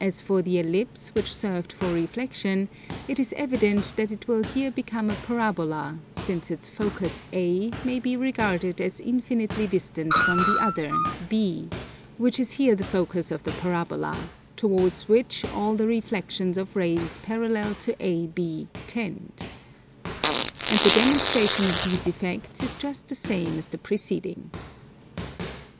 As for the Ellipse which served for reflexion, it is evident that it will here become a parabola, since its focus A may be regarded as infinitely distant from the other, B, which is here the focus of the parabola, towards which all the reflexions of rays parallel to AB tend. And the demonstration of these effects is just the same as the preceding.